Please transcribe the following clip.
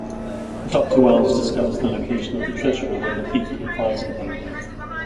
Doctor Wells discovers the location of the treasure when the thief confides in him.